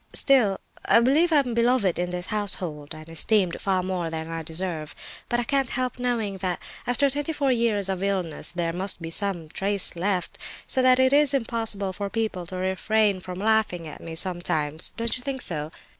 Still, I believe I am beloved in this household, and esteemed far more than I deserve. But I can't help knowing that after twenty four years of illness there must be some trace left, so that it is impossible for people to refrain from laughing at me sometimes; don't you think so?"